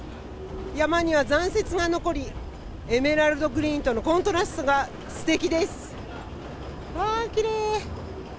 山には残雪が残りエメラルドグリーンとのコントラストが素敵です。